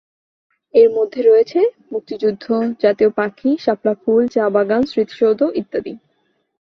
এর মধ্যে রয়েছে মুক্তিযুদ্ধ, জাতীয় পাখি, শাপলা ফুল, চা বাগান, স্মৃতিসৌধ ইত্যাদি।